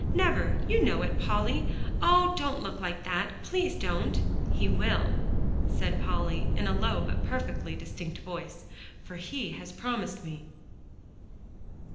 Never; you know it, Polly. Oh! don't look like that; please don't." "He will," said Polly, in a low but perfectly distinct voice, "for he has promised me."